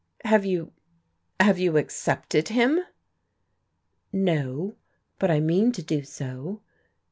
"Have you have you accepted him?" "No. But I mean to do so."